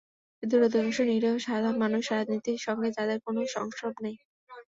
এদের অধিকাংশই নিরীহ সাধারণ মানুষ, রাজনীতির সঙ্গে যাদের কোনো সংস্রব নেই।